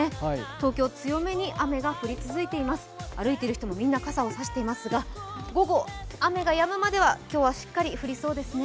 東京、強めに雨が降り続いています歩いている人もみんな傘を差していますが、午後、雨がやむまでは今日はしっかり降りそうですね。